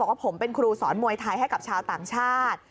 ว่าผมเป็นครูสอนมวยไทยให้กับชาวต่างชาติ